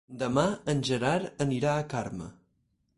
Demà en Gerard anirà a Carme.